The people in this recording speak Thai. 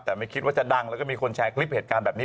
แต่ไม่คิดว่าจะดังแล้วก็มีคนแชร์คลิปเหตุการณ์แบบนี้